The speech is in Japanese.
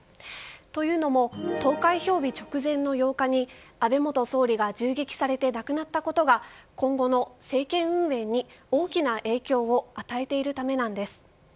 というのも投開票日直前の８日に安倍元総理が銃撃されて亡くなったことが今後の政権運営に大きな影響を与えているためなんです。